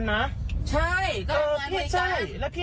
หนูก็เลยไปกดให้พี่